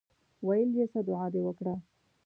ویل یې څه دعا دې وکړه.